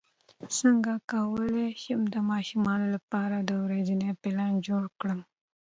څنګه کولی شم د ماشومانو لپاره د ورځې پلان جوړ کړم